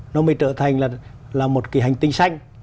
nó mới trở thành là một cái hành tinh xanh